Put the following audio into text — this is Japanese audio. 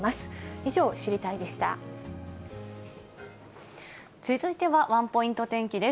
以上、続いてはワンポイント天気です。